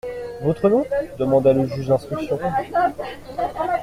Votre nom ? demanda le juge d'instruction.